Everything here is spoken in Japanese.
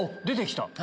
出て来た？